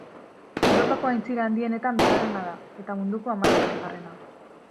Europako aintzira handienetan bigarrena da, eta munduko hamazazpigarrena.